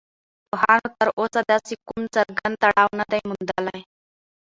پوهانو تر اوسه داسې کوم څرگند تړاو نه دی موندلی